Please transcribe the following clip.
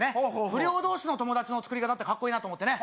不良同士の友達のつくり方ってカッコイイなと思ってね